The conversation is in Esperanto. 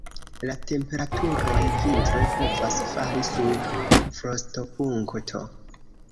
La temperaturoj vintre povas fali sub frostopunkto.